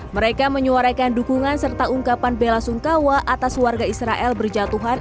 mereka menyuarakan dukungan serta ungkapan bela sungkawa atas warga israel berjatuhan